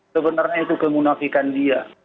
sebenarnya itu kemunafikan dia